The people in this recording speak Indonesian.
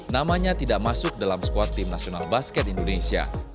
namanya tidak masuk dalam squad tim nasional basket indonesia